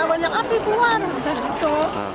banyak api keluar bisa gitu